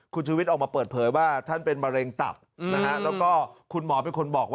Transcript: คุณชูวิทย์ออกมาเปิดเผยว่าท่านเป็นมะเร็งตับ